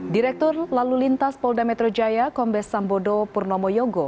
direktur lalu lintas polda metro jaya kombes sambodo purnomo yogo